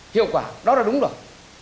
hiệu quả đó là đúng rồi